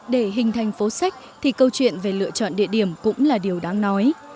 để hình thành phố sách thì câu chuyện về lựa chọn địa điểm cũng là điều đáng nói